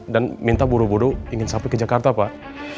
dan minta buru buru ingin sampai ke jakarta pak